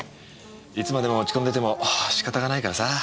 いつまでも落ち込んでても仕方がないからさ。